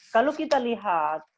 kalau kita lihat